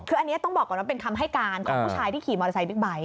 คืออันนี้ต้องบอกก่อนว่าเป็นคำให้การของผู้ชายที่ขี่มอเตอร์ไซค์บิ๊กไบท